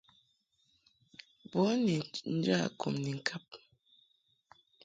Bun ni nja kum ni ŋkab.